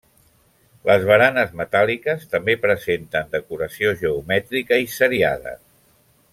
Les baranes metàl·liques també presenten decoració geomètrica i seriada.